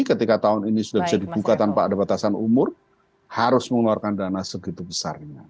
ketika tahun ini sudah bisa dibuka tanpa ada batasan umur harus mengeluarkan dana segitu besarnya